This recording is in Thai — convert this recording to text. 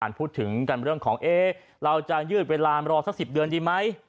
พูดถึงกันเรื่องของเอ๊ะเราจะยืดเวลารอสัก๑๐เดือนดีไหม